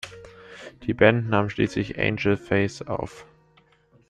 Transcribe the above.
Die Band nahm schließlich "Angel Face" auf.